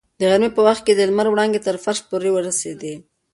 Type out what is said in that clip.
د غرمې په وخت کې د لمر وړانګې تر فرش پورې ورسېدې.